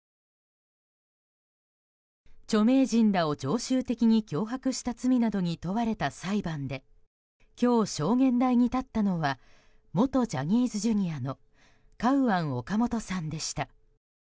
著名人らを常習的に脅迫した罪などに問われた裁判で今日、証言台に立ったのは元ジャニーズＪｒ．のカウアン・オカモトさんでした。